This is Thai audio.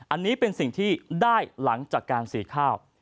อันนี้เป็นสิ่งที่ได้หลังจากการสีข้าว